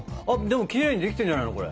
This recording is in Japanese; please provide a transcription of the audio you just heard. あっでもきれいにできてるんじゃないの？